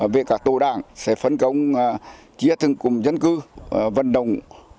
về các tổ đảng sẽ phấn công chia thân cùng dân cư vận động